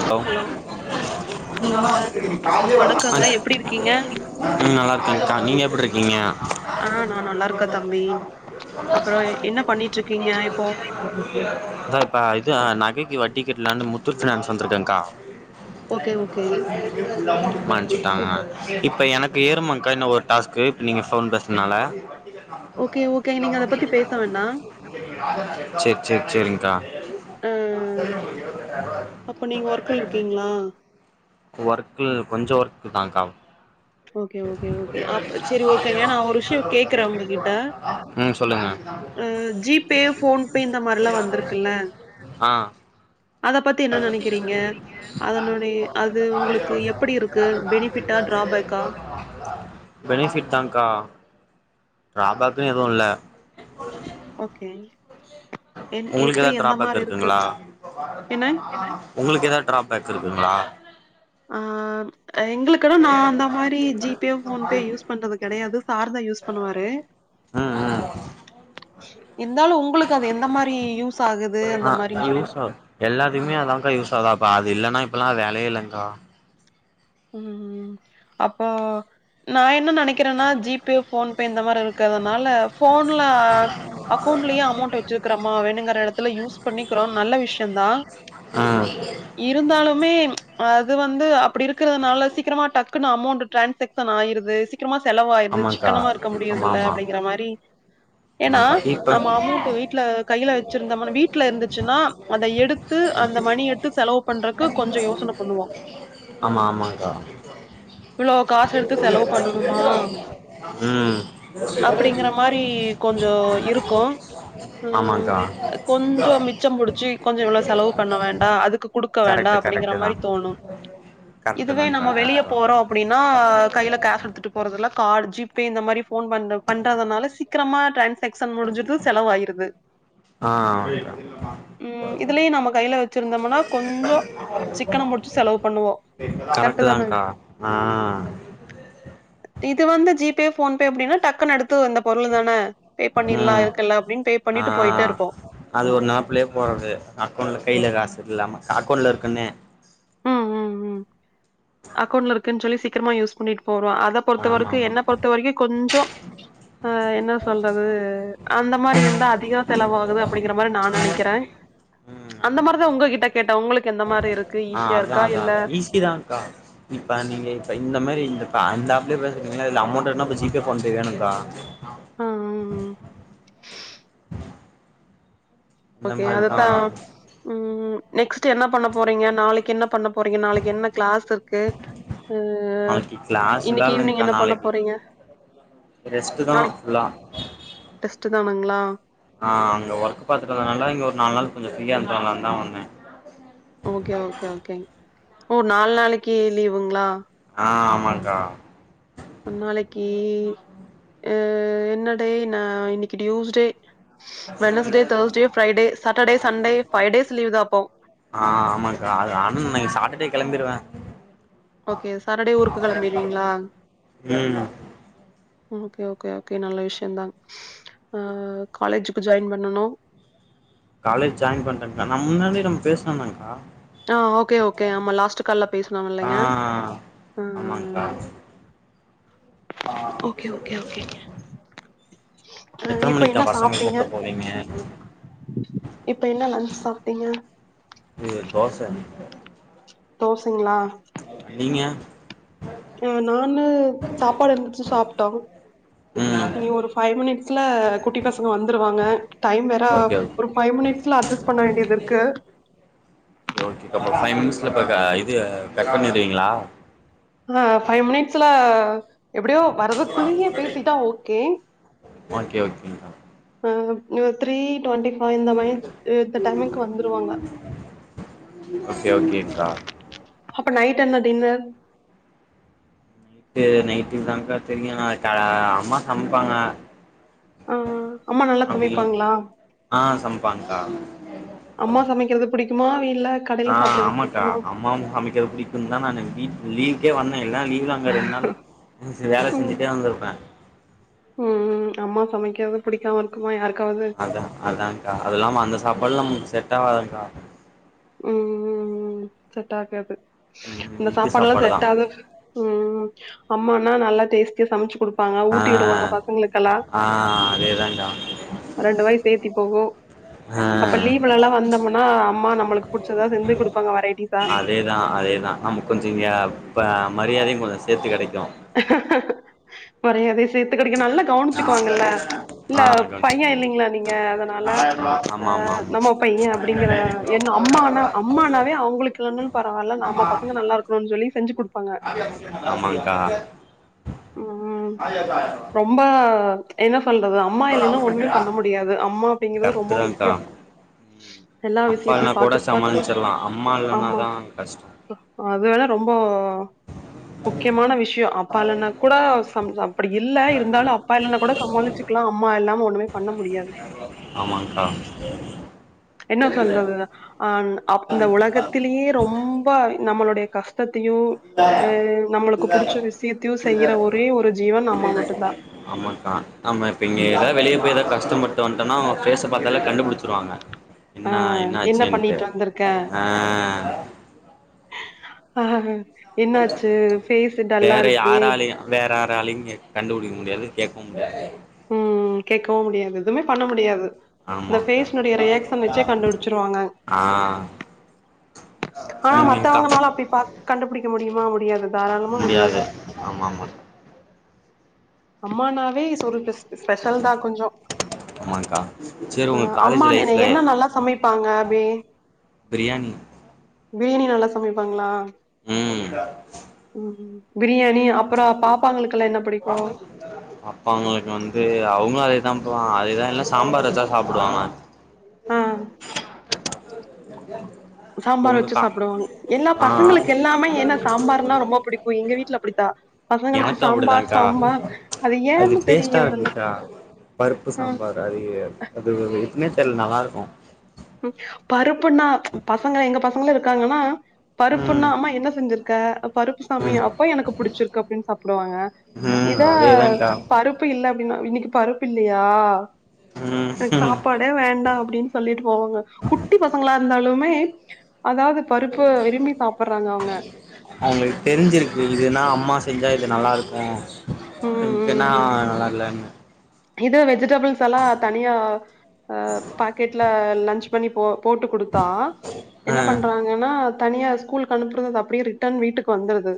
Hello [inaudible] hello sir வணக்கங்க எப்டி இருக்கீங்க ம் நல்லாருக்கேங்கா நீங்க எப்புட்ருக்கீங்க ஆ நா நல்லா இருக்கே தம்பி அப்றோ என்ன பண்ணிட்டு இருக்கீங்க இப்போ [inaudible] த்த ஆ இது நகைக்கு வட்டி கட்டலானு முத்தூட் ஃபினான்ஸ் வந்துருக்கேங்கா ஓகே ஓகே மன்ச்சுட்டாங்க இப்ப எனக்கு பேரு ஏரும்மாங்கா இன்னோ ஒரு டாஸ்க்கு இப்போ நீங்க ஃபோன் பேசுனனால ஓகே ஓகே நீங்க அத பத்தி பேச வேண்டா சேரி சேரி சேரிங்கக்கா [inaudible] ஆ அப்ப நீங்க ஒர்க்குல இருக்கீங்ளா ஒர்க்குள் கொஞ்ச ஒர்க் தாங்கா ஓகே ஓகே ஓகே அப் சரி ஓகேங்க நா ஒரு விஷயோ கேக்குறே ம் சொல்லுங்க ம் ஜீபே ஃபோன்பே இந்த மாரிலா வந்துருக்குல்ல ஆ அத பத்தி என்ன நெனக்கிறீங்க அதனுடைய அது உங்களுக்கு எப்புடி இருக்கு பெனிஃபிட்டா ட்ராபேக்கா ஆ பெனிஃபிட் தாங்கா ட்ராபேக்குனு எதுவு இல்ல ஓகே என் உங்களுக்கு எப்டி எதாது எந்த ட்ராபேக் மாரி இருக்கு இருக்குங்களா ஏன்னா உங்களுக்கு எதாது ட்ராபேக் இருக்குங்களா ஆ எங்களுக்கு நா அந்த மாரி ஜி பே ஃபோன் பே யூஸ் பண்றது கெடயாது சார் தா யூஸ் பண்ணுவாரு ம் ம் இருந்தாலு உங்களுக் கு அது எந்த மாரி யூஸ் ஆகுது அந்த ஆ மாரின்ஞ்சொல்லிட் யூஸ் ஆகு எல்லாத்துக்குமே அதாங்கா யூஸ் ஆது இப்ப அது இல்லன்னா இப்பல்லா வேலயே இல்லங்கா ம் அப்போ நா என்ன நெனக்கிறனா ஜி பே ஃபோன் பே இந்த மாரி இருக்குறதுனால போன்ல அக்கௌண்ட்லயே அமௌண்ட் வச் வச்சுக்கிறோமா வேணுங்கிற எடத்துல யூஸ் பண்ணிக்கிறோ நல்ல விஷயொந்தா ஆ இருந்தாலுமே அது வந்து அப்டி இருக் இருக்குதுனால சீக்கிரமா டக்குனு அமௌண்ட் டிரான்சாக்ஷ்ன் ஆயிருது சீக்கிரமா செலவாயிடுது ஆமாங்க்கா சிக்கனமா இருக்க ஆமா முடியறதில்ல ஆமா அப்டிங்கிற மாரி ஏனா ஆமாங்க்கா இப்ப நம்ம அமௌண்ட் வீட்ல கையில வெச்சிருந்தோம் வீட்ல இருந்துச்சுனா அத எடுத்து அந்த மணி எடுத்து த்து செலவு பண்றக்கு கொஞ்ச யோசன பண்ணுவோ ஆமா ஆமாங்கா இவ்ளோ காசு எடுத்து செலவு பண்ணணுமா? ம் இனி கொஞ்சொ இருக்கு ஆமாங்கா கொஞ்சொ மிச்ச புடுச்சு கொஞ்சொ இவ்ளோ செலவு பண்ண வேண்டா அதுக்கு குடுக்க வேண்டா கரெக்ட்டு அப்டிங்கற கரெக்ட்டு தா மாரி தோணு கரெக்ட்டு இதுவே தான்க்கா நம்ம வெளிய கரெக்ட்டு போறோ தா அப்டினா கைல கேஷ் எடுத்துட்டு போறதுல கார்ட் ஜீப் பே இந்த மாரி போன் பண் பண்றதுனால சீக்கிரமா டிரான்சாக்ஷ்ன் முடிஞ்சது செலவாயிடுது ஆ ம் இதுலயு நம்ம கையில வச்சிருந்தோம்னா கொஞ்சொ சிக்கனொ புடுச்சு செலவு பண்ணுவோ கரெக்டு கரெக்ட் தான தாங்க்கா ஆ இது வந்து ஜி பே ஃபோன் பே அப்டினா டக்குனு எடுத்து இந்த பொருள் தான பே பண்ணிட்லா ம் இருக்குல அப்டினு பே ஆ பண்ணிட்டு போய்ட்டே இருப்போ அது ஒன்னு ஆப்புலே போகாது அக்கௌண்ட்ல கையில காசு இல்லாம அக்கௌண்ட்ல இருக்குனே ம் ம் அக்கௌண்ட்ல இருக்குனு சொல்லி சீக்கிரமா யூஸ் பண்ணிட்டு போறோ அத பொறுத்த ஆமா வர்க்கு என்ன ஆமாக்கா பொறுத்த வரைக்கு கொஞ்சொ ஆ என்ன சொல்றது அந்த மாரி இருந்தா அதிகோ செலவாகுது அப்டிங்கிற மாரி நா நெனைக்கிற ம் அந்த ஆமாக்கா மாரிதா உங்ககிட்ட கேட்டே உங்களுக்கு எந்த மாரி இர்க் ஆ அதா அதா ஈஸிதாங்க்கா இப்ப நீங்க இப்ப இந்த மாரி இந்த ப அந்த அக் இப்பே பேசுனிங்கல இதுல அமௌண்ட் வேனா அப்ப ஜி பே பண்து வேனுங்க்கா ஆ ஆ ஆ இந்த ஓகே மாரிதா அததா ம் நெக்ஸ்ட் என்ன பண்ண போறீங்க நாளைக்கி என்னப் பண்ண போறீங்க நாளைக்கி என்ன கிளாஸ் இருக்கு நாளைக்கு கிளாஸ்லா இன்னைக்கு ஈவினிங் இல்லேங்க்கா என்ன பண்ண நாளைக்கி போறீங்க டெஸ்ட்தா ஃபுல்லா டெஸ்ட்டு தானுங்களா ஆ அங்க ஒர்க் பாக்கறதுனால இங்க ஒரு நாலு நாள் கொஞ்ச ஃப்ரீயா இருக்களாந்தா வந்தே ஓகே ஓகே ஓகே ஓ நாலு நாளைக்கி லீவுங்ளா ஆ ஆமாங்க்கா நாளைக்கி ஆ என்னடே ந இன்னைக்கி Tuesday Wednesday Thursday Friday Saturday Sunday ஃபைடேஸ் லீவ்தா அப்போ ஆ ஆமாங்க்கா அது அன் சாட்டடே கெளம்பிருவே ஓகே சாட்டடே ஊருக்கு கிளம்பிருவீங்களா ம் ஓகே ஓகே ஓகே நல்ல விஷயந்தா அ காலேஜுக்கு ஜாய்ன் பண்ணனும் காலேஜ் ஜாய்ன் பண்ணறேங்கா நம் முன்னாடியே நம்ம பேசுனோதாங்கா ஆ ஓகே ஓகே ஆமா லாஸ்ட் கால்ல பேசனும் ஆ இல்லங்க ம் ஆமாங்க்கா ம் ம் ஓகே ஓகே ஓகே அ எத்தன இப்ப மணிக்குக்கா என்ன பசங்கள சாப்பிட்டீங்க கூப்ட போவீங்க இப்ப என்ன லஞ்ச் சாப்பிட்டீங்க இ தோச தோசங்களா நீங்க நானு சாப்பாடு இருந்துச்சு சாப்பிட்டோம் ம் இனி ஒரு ஃபைவ் மினிட்ஸ்ல குட்டி பசங்க வந்துருவாங்க டைம் வேற ஓகே ஓகே ஒரு ஃபைவ் மினிட்ஸ்ல அட்ஜஸ்ட் பண்ண வேண்டியது இருக்கு ஓ ஓகே அப்ப ஃபைவ் மினிட்ஸில க இது கட் பண்ணிருவீங்களா ஆ ஃபைவ் மினிட்ஸ்ல எப்படியோ வர்துக்குள்ளேயே பேசிட்டா ஓகே ஓகே ஓகோங்க கா ஆ த்ரீ டுவெண்டி இந்த மணி இந்த டைமுகு வந்துருவாங்க ஓகே ஓகேங்க்கா அப்ப நைட் என்ன டின்னர் து நைட்டு தான்டா தெரியும் அம்மா சமைப்பாங்க அ அம்மா நல்லா அப்படி சமைப்பாங்களா? ஆ சமைப்பாங்ககா அம்மா சமைக்கிறது புடிக்குமா வீட்ல ஆ அமாக்கா அம்மாவும் சமைக்கிறது பிடிக்கும்னு தான் நான் லீவுக்கே வந்தேன் இல்லான லீவ் தான் இன்னு ரெண்டு நாளு வேல செஞ்சுட்டே வந்திருப்பேன் ம் ம் அம்மா சமைக்கறது புடிக்காம இருக்குமா யாருக்காவது அதான் அதான்கா அத்தில்லாம அந்த சாப்பாடுல நமக்கு செட் ஆவாதுங்ககா ம் ம் ம் செட் ஆகாது ம் ம், அந்த வீட்டு சாப்பாடுல்லாம் சாப்பாடு தா செட் ஆ ம் அம்மான நல்லா டேஸ்ட்டியா சமைச்சு குடு ப்பாங்க ஆ ஊட்டி விடுவாங்க பசங்களுக்கெல்லாம் ஆ அதேதான்க்கா ரெண்டு வாய் சேத்தி போகும் ஆ அப்ப லீவுல எல்லாம் வந்தோம்னா அம்மா நம்மளுக்கு புடிச்சதா செஞ்சு குடுப்பாங்க வெரைட்டிஸ் அதேதான் அதேதான் நமக்கு கொஞ்சம் இங்க மரியாதையும் கொஞ்சம் சேத்து கிடைக்கும் மரியாதையும் சேத்து கிடைக்கும் நல்ல கவனிச்சுக்குவாங்கல்ல இல்ல ஆ அட்வான்ஸ் பையன் குடுப்பாங்க இல்லைங்களா நீங்க அதனால அ ஆமா ஆமா நம்ம பையன் அப்படிங்கற என்ன அம்மனா அம்மனாவே அவங்களுக்கு இல்லன்னாலும் பரவாயில்ல நம்ம ஆமா பசங்க நல்லா இருக்கு னு சொல்லி செஞ்சு குடுப்பாங்க ஆமாங்க்கா ம் ரொம்ப என்ன சொல்றது அம்மா இல்லைன்னா ஒண்ணுமே பண்ண முடியாது அம்மா அப்படிங்கிறது ரொம்ப முக்கியம் எல்லா விஷயத்தையும் பாத்து பாத்து ஆமா தான் கஷ்டம் அது வேண ரொம்ப முக்கியமான விஷ அப்பா இல்லன்னா கூட சம் ச அப்படி இல்ல இருந்தாலும் அப்பா இல்லன்னா கூட சமாளிச்சுக்கலாம் அம்மா இல்லாம ஒண்ணுமே பண்ண முடியாது ஆமாங்க்கா என்ன சொல்றது அ அ இந்த உலகத்திலேயே ரொம்ப நம்மளுடைய கஷ்ட சத்தத்தையும் அ நம்மளுக்கு புடிச்ச விஷயத்தையும் செய்ற ஒரே ஒரு ஜீவன் அம்மா மட்டும் தா ஆமாக்கா நம்ம இப்ப இங்க எதாவ் வெளிய போய் எதாவ் கஷ்டம் பட்டு வந்ட்டனா ஃபேஸ்ஸ பாத்தாலே கண்டுபிடிச்சிருவாங்க ஆ என்னா என்ன என்னாச்சின்ட்டு பண்ணிட்டு வந்திருக்க அ என்னாச்சு ஃபேஸ்ஷு டல்லா வேற இருக்கு யாராலயு வேற யாரலையுமே கண்டுபிடிக்க முடியாது கேட்கவும் முடியாது ம் கேட்கவும் முடியாது எதுமே பண்ண முடியாது இந்த ஆமாக்கா ஃபேஸ்னுடைய ரியாக்சன் வச்சே கண்டுபிடிச்சிருவாங்க ஆ ஆனா நீங்கக்கா மத்தவங்கனால அப்டி பாக் கண்டுபிடிக்க முடியுமா முடியாது தாராளமா முடியாது ஆமாமா அம்மானாவே [unintelligible] ஸ்பெஷல் தா கொஞ்சோ ஆமாக்கா சேரி ஆ உங்க காலேஜ் அம்மா மெனு லைஃப்ல என்ன நல்லா சமைப்பாங்க அப்டி பிரியாணி பிரியாணி நல்லா சமைப்பாங்ளா ம் ம் பிரியாணி அப்புறோ பாப்பாங்களுக்குலா என்ன பிடிக்கும் பாப்பாங்களுக்கு வந்து அவங்களும் அதே தா பு அதே தா இல்ல சாம்பார் வச்சா சாப்புடுவாங்க ஆ சாம்பார் வச்சு உங்கக்கா சாப்டுவாங்க எல்லா ஆ பசங்களுக்கு எல்லாமே ஏன்னா சாம்பார்னா ரொம்ப பிடிக்கு எங்க வீட்ல அப்டித்தா பசங்களுக்கு எனக்கும் சாம்பார் அப்டிதான்கா சாம்பார் அது ஏன்னு டேஸ்டா தெரியறதில்ல இருக்குன்க்கா பருப்பு ஆ சாம்பார் தயிரு வட அது எப்பமே தெர்ல நல்லா இருக்கும் பருப்புன்னா பசங்க எங்க பசங்களும் இருக்காங்கனா பருப்புன்னா ம் அம்மா என்ன செஞ்சிரு க்கா பருப்பு சாமி ம் அப்ப எனக்கு பிடிச்சிருக்கு அப்டின் சாப்டுவாங்க ம் இதே அதேதான்க்கா பருப் பு இல்ல அப்டின்னா இன்னிக்கு பருப்பு இல்லயா ம் எனக்கு சாப்பாடே வேண்டாம் அப்டின் சொல்லிட் போங்க குட்டி பசங்களா இருந்தாலுமே அதாவ்து பருப்ப விரும்பி சாப்றாங்க அவங்க அவங்கள் தெரிஞ்சிருக்கு இதுன்னா அம்மா செஞ்சா இது நல்லா இருக்கும் ம் கொஞ்சனா ம் நல்லா இல்ல இது வெஜிடேபிள்ஸ் எல்லா தனியா ஆ பாக்கெட்ல லன்ச் பண்ணி போ போட்டு குடுத்தா ஆ என்ன பண்றாங்கன்னா தனியா கூல்கு அனுப்புறது அப்டியே ரிட்டர்ன் வீட்டுக்கு வந்துருது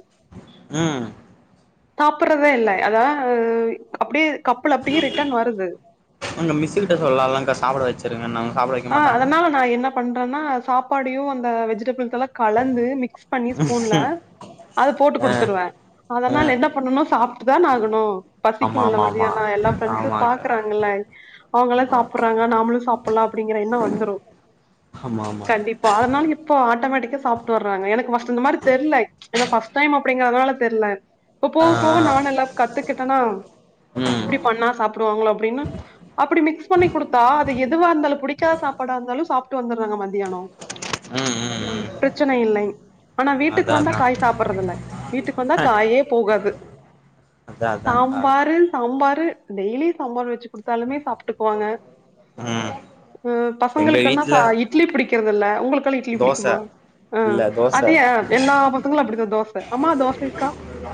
ம் சாப்பறதே இல்ல அதான் அப்டியே கப்புல அப்டியே ரிட்டன் வருது அவுங்க மிஸ்ஸூ கிட்ட சொல்லாலாம்க்கா சாப்ட வச்சிருங்கனு சாப்ட ஆ அதனால நா என்ன பண்றன்னா சாப்பாடையும் அந்த வெஜிடபிள்ஸ்லா கலந்து மிக்ஸ் பண்ணி ஸ்பூன்ல அத போட்டு ஆ குடுத்துருவ ஆ அதனால என்ன பண்ணனும் சாப்ட்டு தான ஆகணும் ஆமா பசிக்கும்ல ஆமா ஆமா மதியான எல்லா ப்ரெண்ட்ஸும் ஆமாக்கா பாக்குறாங்கல்ல அவங்கள ஆமா சாப்றாங்க நாமளும் சாப்புலா அப்டிங்கற என்னோ வந்துரும் ஆமா ஆமா இப்போ அதனால் இப்போ ஆட்டோமேட்டிக்கா சாப்ட்டு வறாங்க எனக்கு ஃபர்ஸ்ட் இந்த மாரி தெர்ல ஏன்னா ஃபர்ஸ்ட் டைம் அப்டிங்கறனால தெர்ல இப்ப ஆ போவ ஆ போக நானு எல்லா கத்துக்கிட்டனா ம் இப்டி பண்ணா சாப்டுவாங்களோ அப்டின்னு அப்டி மிக்ஸ் பண்ணி குடுத்தா அது எதுவா இருந்தாளு புடிக்கா சாப்பாட இருந்தாலும் சாப்ட்டு வந்துறாங்க மத்தியானோ ம் ம் ம் பிரச்சன இல்ல ஆனா வீட்டுக்கு அதா வந்தா அதா காய் சாப் ப்புறதுல்ல வீட்டுக்கு வந்தா காயே போகாது அதா அதான்க்கா சாம்பாரு சாம்பாரு டெய்லி சாம்பார் வெச்சு குடுத்தாலுமே சாப்ட்டுக்குவாங்க ஆ ம் பசங்களுக்கன்னா சா இட்லி புடிக்கறதில்ல உங்களுக்கெல்லா இட்லி தோச புடிக்குமா ஆ இல்ல தோச அது ஏ எல்லா பசங்களு அப்டிதா தோச அம்மா தோச இருக்கா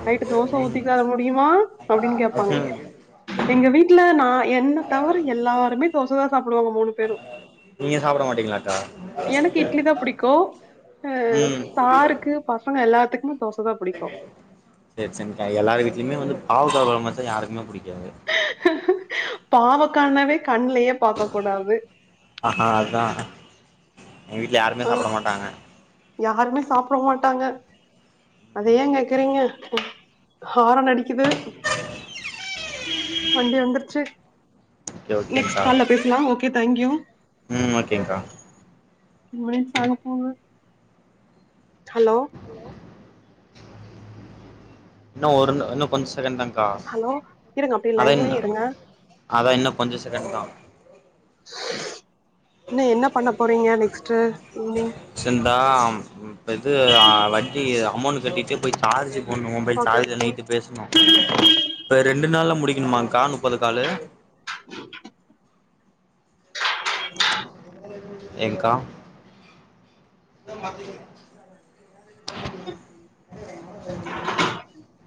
நைட்டு தோச ஊத்தி ம் தர முடியுமா அப்டின்னு கேப்பாங்க ஓகே எங்க வீட்டுல நா என்ன தவர எல்லாருமே தோசதா சாப்புடுவாங்க மூணு பேரு நீங்க சாப்பிட மாட்டீங்களாக்கா எனக்கு இட்லி தா பிடிக்கு ஆ ம் சாருக்கு பசங்க எல்லாத்துக்குமே தோச தா புடிக்கு சேரி சரிங்கக்கா எல்லார் வீட்லயுமே வந்து பாவக்கா கொழம்பு வெச்சா யாருக்குமே புடிக்காது பாவக்கானவே கண்லயே பாக்க கூடாது ஆஹா அதா எங்க வீட்ல யாருமே அ சாப்புட மாட்டாங்க யாருமே சாப்புடமாட்டாங்க அத ஏ கேக்கறீங்க ஹாரன் அடி கிது வண்டி வந்துருச்சு ஓகே நெக்ஸ்ட் ஓகேங்க்கா கால்ல பேச் லா ஓகே தேங்க்யூ ம் ஓக்கேங்க்கா டு மினிட்ஸ் ஆக போங்க ஹலோ இன்னு ஒருன் இன்னு கொஞ்ச செகண்ட் தாங் ஹலோ இருங்க அப்டியே லைன்லே இருங்க அதா இன்னு கொஞ்ச சகண்ட் தா இன்னு என்ன பண்ண போறீங்க நெக்ஸ்ட்டு ஈவ்னிங் சிந்தாம் இப்ப இது ஆ வட்டி அமௌண் கட்டிட்டு போய் சார்ஜ் போட்ணு mobile okay charge okay night பேச்ணு இப்ப ரெண்டு நாள்ல முடிக்குணுமாங்க்கா முப்பது காலு [unintelligible] ஏங்க்கா [unintelligible]